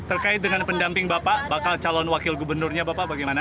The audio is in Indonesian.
terkait dengan pendamping bapak bakal calon wakil gubernurnya bapak bagaimana